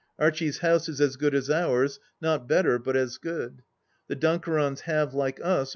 Archie's house is as good as ours ; not better, but as good. The Dunkerons have, like us.